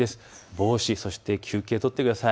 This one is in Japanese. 帽子、そして休憩を取ってください。